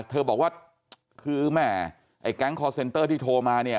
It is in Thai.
เธอบอกว่าคือแม่ไอ้แก๊งคอร์เซ็นเตอร์ที่โทรมาเนี่ย